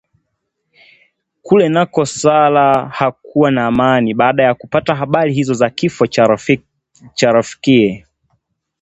Kule nako Sarah hakuwa na amani baada ya kupata habari hizo za Kifo cha rafikiye